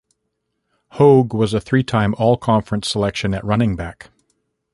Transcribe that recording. Hoge was a three-time all-conference selection at running back.